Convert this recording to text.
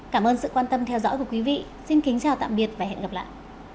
cảm ơn sự quan tâm theo dõi của quý vị xin kính chào tạm biệt và hẹn gặp lại